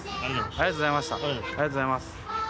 ありがとうございます。